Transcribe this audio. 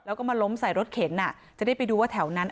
แล้วก็มาล้มใส่รถเข็นจะได้ไปดูว่าแถวนั้น